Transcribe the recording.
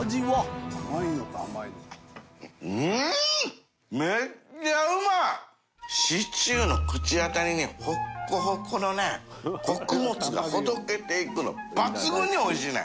淵船礇鵝シチューの口当たりにほっこほこのね鯤ほどけていくの抜群においしいね！